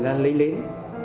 là lấy lến